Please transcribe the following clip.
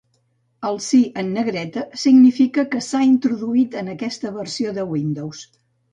El "Sí" en negreta significa que s'ha introduït en aquesta versió de Windows.